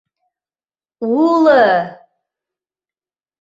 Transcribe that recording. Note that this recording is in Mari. Уло-о-о...